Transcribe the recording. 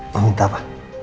mau minta apa